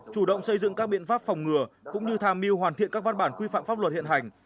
chủ động xây dựng các biện pháp phòng ngừa cũng như tham mưu hoàn thiện các văn bản quy phạm pháp luật hiện hành